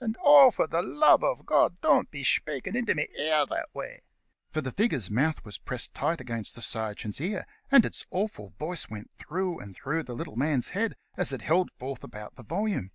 And oh, for the love uv God, don't be shpakin' into me ear that way;" for the figure's mouth was pressed tight against the sergeant's ear, and its awful voice went through and through the little man's head, as it held forth about the volume.